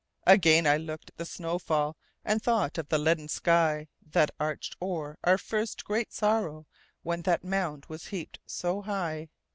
Again I looked at the snow fall, And thought of the leaden skyThat arched o'er our first great sorrow, When that mound was heaped so high.